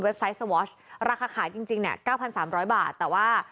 เว็บไซต์ราคาขายจริงจริงเนี่ยเก้าพันสามร้อยบาทแต่ว่า